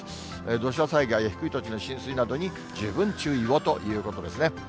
土砂災害や低い土地の浸水などに十分注意をということですね。